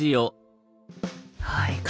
はい。